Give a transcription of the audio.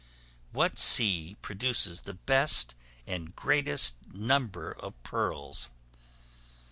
What sea produces the best and greatest number of Pearls?